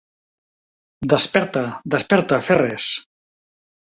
Desperta!!, Desperta Ferres!!